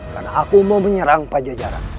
karena aku mau menyerang pak jajaran